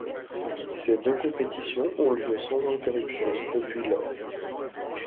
Ces deux compétitions ont lieu sans interruption depuis lors.